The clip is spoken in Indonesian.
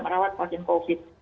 merawat pasien covid